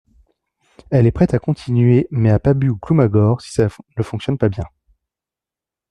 Elle est prête à continuer, mais à Pabu ou Ploumagoar, si ça ne fonctionne pas bien.